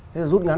thế rút ngắn